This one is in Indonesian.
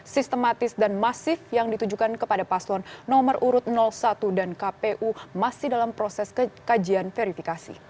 sistematis dan masif yang ditujukan kepada paslon nomor urut satu dan kpu masih dalam proses kekajian verifikasi